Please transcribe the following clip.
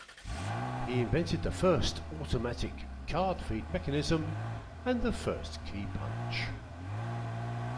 He invented the first automatic card-feed mechanism and the first keypunch.